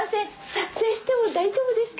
撮影しても大丈夫ですか？